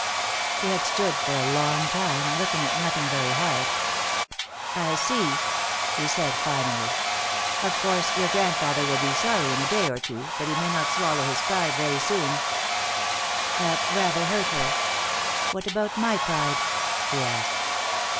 He had stood for a long time, looking at nothing very hard. "I see," he said finally. "Of course your grandfather will be sorry in a day or two, but he may not swallow his pride very soon." That rather hurt her. "What about my pride?" she asked.